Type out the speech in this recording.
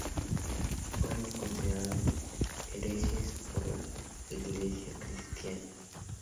Fueron considerados herejes por la Iglesia cristiana.